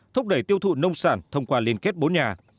thúc đẩy tiêu thụ nông sản thông qua liên kết bốn nhà